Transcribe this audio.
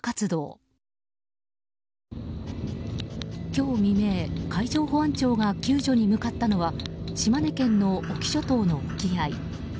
今日未明、海上保安庁が救助に向かったのは島根県の隠岐諸島の沖合。